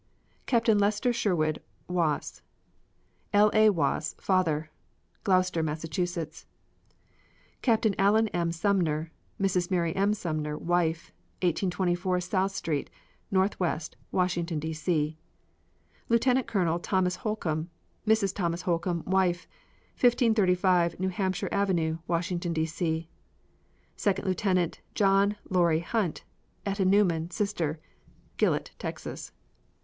Captain Lester Sherwood Wass; L. A. Wass, father. Gloucester, Mass. Captain Allen M. Sumner; Mrs. Mary M. Sumner, wife; 1824 S Street, N. W., Washington, D. C. Lieutenant Colonel Thomas Holcomb; Mrs. Thomas Holcomb, wife, 1535 New Hampshire Avenue, Washington, D. C. Second Lieutenant John Laury Hunt; Etta Newman, sister; Gillet, Texas.